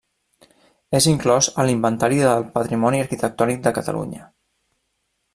És inclòs a l'Inventari del Patrimoni Arquitectònic de Catalunya.